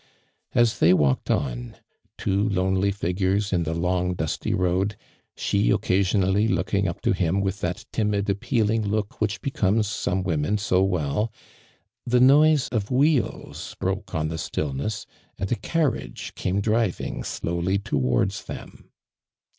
As they walked on, two lonely figures in the long dusty road, she occasionally looking up to him with that timid, appealing look which becomes some women so well, the noise of wheels broke on the stillness, and a carriage came driving slowly towards them.